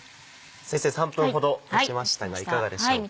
先生３分ほどたちましたがいかがでしょうか。